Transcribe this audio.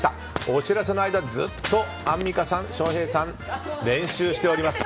お知らせの間ずっとアンミカさん、翔平さん練習しております。